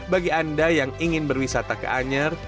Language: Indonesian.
bagi anda yang ingin berwisata ke anyer